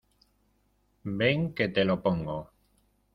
ven, que te lo pongo.